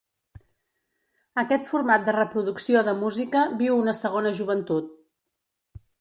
Aquest format de reproducció de música viu una segona joventut.